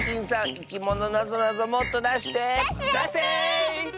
「いきものなぞなぞ」もっとだして！だしてだして！だして！